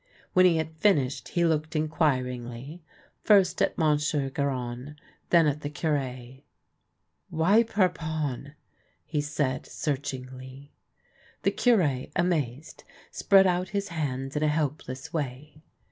When he had finished he looked inquiringly, first at Monsieur Garon, then at the Cure. " Why Parpon ?" he said searchingly. The Cure, amazed, spread out his hands in a helpless way.